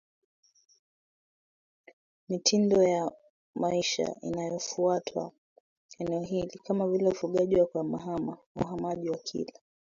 mitindo ya maisha inayofuatwa eneo hili kama vile ufugaji wa kuhamahama uhamaji wa kila